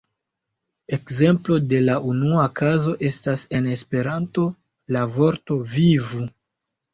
Ekzemplo de la unua kazo estas en Esperanto la vorto "vivu!